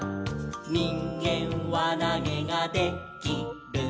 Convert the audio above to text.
「にんげんわなげがで・き・る」